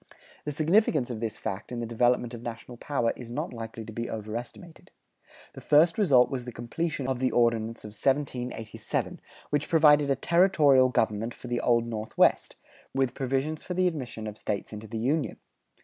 The significance of this fact in the development of national power is not likely to be overestimated. The first result was the completion of the Ordinance of 1787, which provided a territorial government for the Old Northwest, with provisions for the admission of States into the Union.